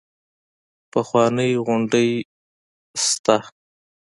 پخوانۍ غونډۍ شته ده.